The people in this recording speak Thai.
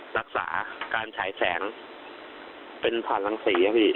รักษาการฉายแสงเป็นผ่านรังสีอะพี่